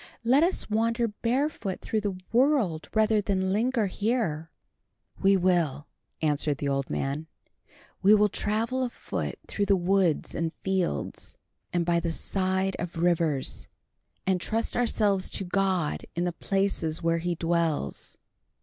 Let us wander barefoot through the world rather than linger here." "We will," answered the old man. "We will travel afoot through the woods and fields, and by the side of rivers, and trust ourselves to God in the places where He dwells.